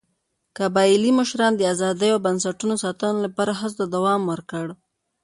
قبایلي مشرانو د ازادۍ او بنسټونو ساتلو لپاره هڅو ته دوام ورکړ.